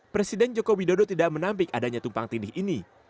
presiden joko widodo tidak menampik adanya tumpang tindih ini